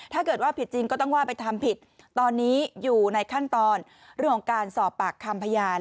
ถ้าเกิดว่าผิดจริงก็ต้องว่าไปทำผิดตอนนี้อยู่ในขั้นตอนเรื่องของการสอบปากคำพยาน